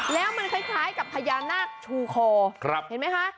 แล้วมันคล้ายกับพญานาคชูคอเห็นไหมคะ